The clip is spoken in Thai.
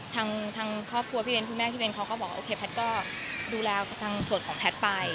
ทางครอบครัวพี่เบ้นคุณแม่พี่เว้นเขาก็บอกโอเคแพทย์ก็ดูแลทางส่วนของแพทย์ไป